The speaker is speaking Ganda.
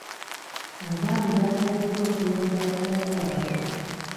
Abaami baasabiddwa okuyamba bakyala baabwe.